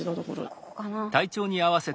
ここかな。